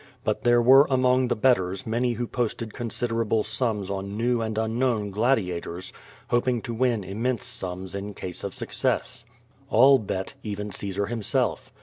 But there were among the betters many who posted considerable sums on new and unknown gladia tors, hoping to win immense sums in case of success. All l)et; even Caesar himself.